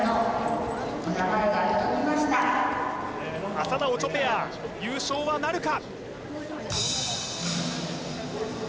浅田・オチョペア優勝はなるか！？